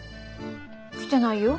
来てないよ。